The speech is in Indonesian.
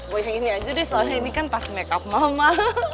gue yang ini aja deh soalnya ini kan pas makeup mama